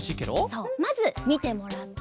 そうまずみてもらって。